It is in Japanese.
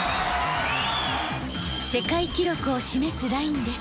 世界記録を示すラインです。